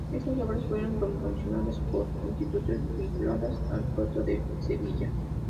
Estas obras fueron promocionadas por instituciones vinculadas al Puerto de Sevilla.